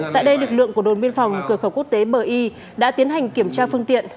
tại đây lực lượng của đồn biên phòng cửa khẩu quốc tế bờ y đã tiến hành kiểm tra phương tiện